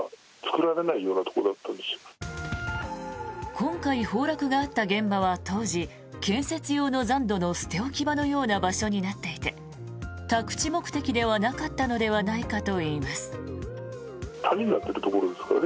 今回、崩落があった現場は当時建設用の残土の捨て置き場のような場所になっていて宅地目的ではなかったのではないかといいます。